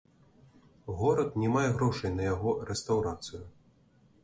Горад не мае грошай на яго рэстаўрацыю.